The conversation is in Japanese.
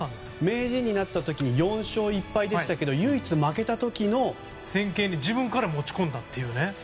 名人になった時に４勝１敗でしたけれども戦型に自分から持ち込んだっていうね。